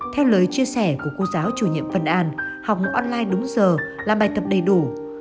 theo lời chia sẻ của cô giáo chủ nhiệm vân anh học online đúng giờ làm bài tập đầy đủ